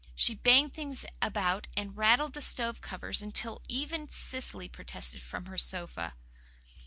She banged things about and rattled the stove covers until even Cecily protested from her sofa.